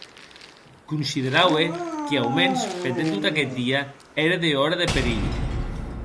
Consideraue que, aumens pendent tot aqueth dia, ère dehòra de perilh.